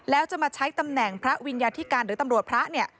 แล้วจะมาใช้ตำแหน่งพระวิญญาธิการหรือตำรวจพระเนี่ย